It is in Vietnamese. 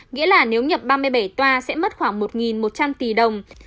nghĩa là nếu nhập ba mươi bảy toa sẽ mất khoảng một một trăm linh tỷ đồng